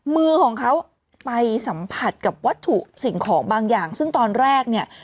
มือของเขาไปสัมผัสกับวัตถุสิ่งของบางอย่างซึ่งตอนแรกเนี่ย